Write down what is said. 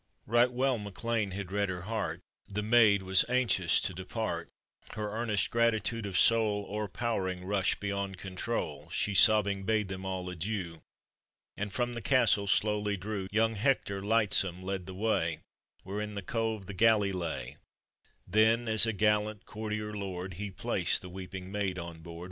Right well Mac Lean had read her heart, The maid was anxious to depart; Her earnest gratitude of soul, O'erpowering rushed beyond control ; She sobbing bade them all adieu! And from the castle slowly drew. Young Hector lightsome led the way, Where in the cove the galley lay Then as a gallant courtier lord He placed the woeping maid on board.